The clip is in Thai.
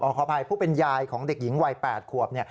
ขออภัยผู้เป็นยายของเด็กหญิงวัย๘ขวบ